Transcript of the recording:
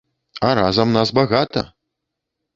А разам нас багата!